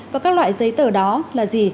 và các loại giấy tờ đó là gì